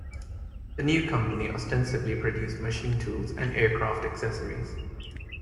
The new company ostensibly produced machine tools and aircraft accessories.